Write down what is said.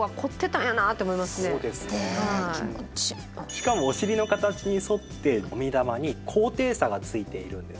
しかもお尻の形に沿ってもみ玉に高低差がついているんですね。